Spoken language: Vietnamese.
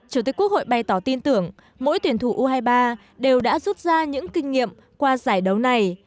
chủ tịch quốc hội bày tỏ tin tưởng mỗi tuyển thủ u hai mươi ba đều đã rút ra những kinh nghiệm qua giải đấu này